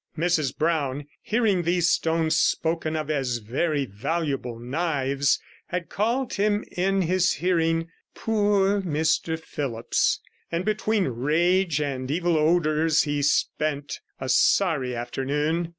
Mrs Brown hearing these stones spoken of as very valuable knives, had called him in his hearing 'poor Mr Phillipps,' and between rage and evil odours he spent a sorry afternoon.